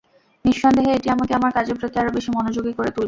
নিঃসন্দেহে এটি আমাকে আমার কাজের প্রতি আরও বেশি মনোযোগী করে তুলবে।